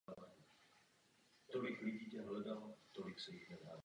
Areál byl předán "Státním lesům se sídlem v Zákupech".